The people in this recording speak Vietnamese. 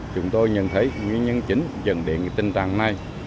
chúng tôi nhận thấy nguyên nhân chính dẫn đến tình trạng này